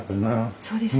そうですね。